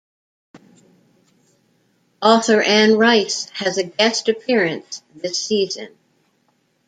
Author Anne Rice has a guest appearance this season.